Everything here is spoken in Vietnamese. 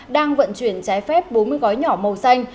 đang vận chuyển trái phép bốn mươi gói nhỏ màu xanh